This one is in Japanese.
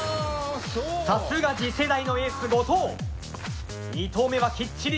さすが次世代のエース後藤。